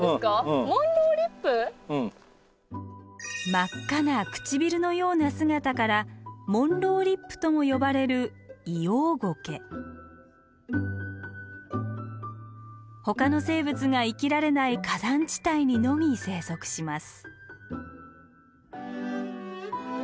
真っ赤な唇のような姿から「モンローリップ」とも呼ばれるほかの生物が生きられない火山地帯にのみ生息します。